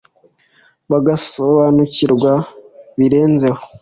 bagasobanukirwa birenzeho